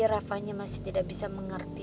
rafanya masih tidak bisa mengerti